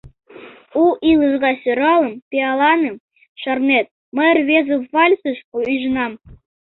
У илыш гай сӧралым, пиаланым, Шарнет, мый рвезе вальсыш ӱжынам.